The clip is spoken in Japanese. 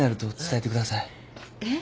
えっ？